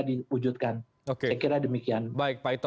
diwujudkan saya kira demikian baik pak ito